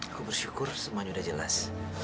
aku bersyukur semuanya sudah jelas